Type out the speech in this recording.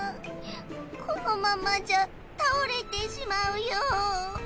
このままじゃ倒れてしまうよ。